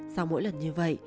sau mỗi lần như vậy